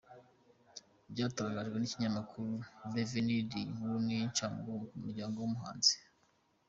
byatangajwe nikinyamakuru LAvenir, iyi nkuru ni incamugongo ku muryango wumuhanzi.